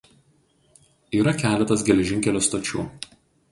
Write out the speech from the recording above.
Yra keletas geležinkelio stočių.